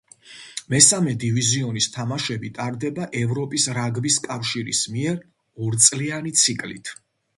მესამე დივიზიონის თამაშები ტარდება ევროპის რაგბის კავშირის მიერ ორწლიანი ციკლით.